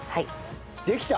できた。